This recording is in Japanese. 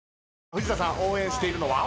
藤田さん応援しているのは？